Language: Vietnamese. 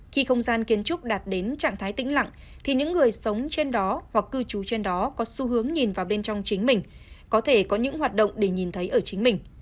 khi không gian kiến trúc đạt đến trạng thái tĩnh lặng thì những người sống trên đó hoặc cư trú trên đó có xu hướng nhìn vào bên trong chính mình có thể có những hoạt động để nhìn thấy ở chính mình